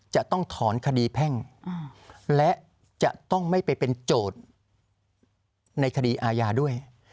จะต้องถอนคดีแพ่งและจะต้องไม่ไปเป็นโจทย์ในคดีอาญาด้วย